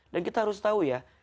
dan kita harus tahu ya